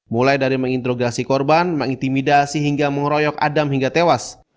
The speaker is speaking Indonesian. mulai dari menginterogasi korban mengintimidasi hingga mengeroyok adam hingga tewas